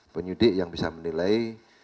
penyidik yang bisa menilai